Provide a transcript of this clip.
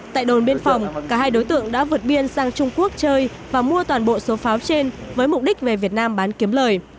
tại đồn biên phòng cả hai đối tượng đã vượt biên sang trung quốc chơi và mua toàn bộ số pháo trên với mục đích về việt nam bán kiếm lời